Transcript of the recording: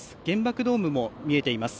原爆ドームも見えています。